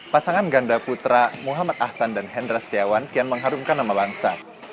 pasangan ganda putra muhammad ahsan dan hendra setiawan kian mengharumkan nama bangsa